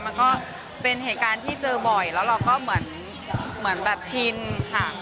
มันก็เป็นเหตุการณ์ที่เจอบ่อยแล้วเราก็เหมือนแบบชินค่ะ